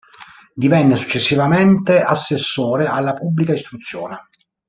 Divenne successivamente assessore alla Pubblica Istruzione.